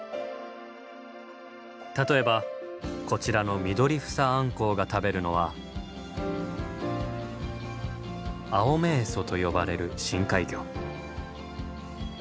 例えばこちらのミドリフサアンコウが食べるのはアオメエソと呼ばれる深海魚。